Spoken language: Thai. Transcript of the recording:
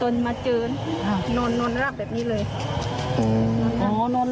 สงสัยว่าจะเจ็บแบบนี้